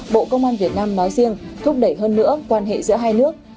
bộ công an việt nam nói riêng thúc đẩy hơn nữa quan hệ giữa hai nước